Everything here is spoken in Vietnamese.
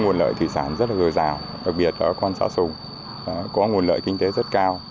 nguồn lợi thủy sản rất là rời rào đặc biệt ở con sát sùng có nguồn lợi kinh tế rất cao